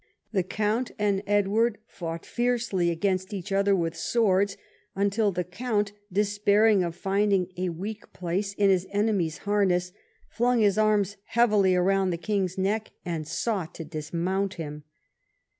The Count and Edward fought fiercely against each other with swords ; until the Count, despairing of finding a weak place in his enemy's harness, flung his arms heavily around the king's neck and sought to dismount him.